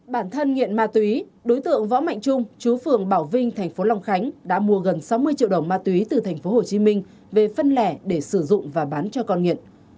bản thân nghiện ma túy đối tượng võ mạnh trung chú phường bảo vinh thành phố long khánh đã mua gần sáu mươi triệu đồng ma túy từ thành phố hồ chí minh về phân lẻ để sử dụng và bán cho con nghiện